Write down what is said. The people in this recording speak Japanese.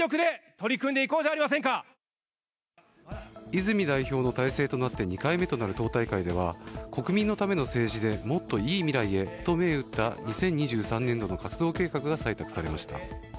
泉代表の体制となって２回目となる党大会では「国民のための政治で、もっと良い未来へ！」と銘打った２０２３年度の活動計画が採択されました。